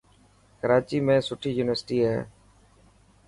ڪراچي ۾ سٺي يونيورسٽي هي.